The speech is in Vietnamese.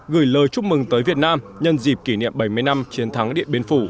gửi lời chúc mừng tới việt nam nhân dịp kỷ niệm bảy mươi năm chiến thắng điện biên phủ